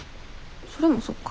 それもそっか。